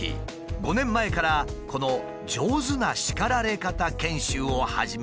５年前からこの上手な叱られ方研修を始めたという。